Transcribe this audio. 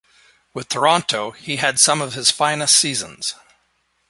With Toronto, he had some of his finest seasons.